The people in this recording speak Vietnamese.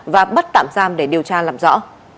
và bắt tạm giam để điều tra làm rõ